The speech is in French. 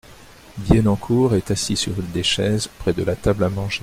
Bienencourt est assis sur une des chaises près de la table à manger.